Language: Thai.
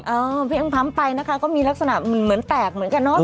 เพ่งพ้ำไปนะคะก็มีลักษณะเหมือนแตกเหมือนกันเนาะ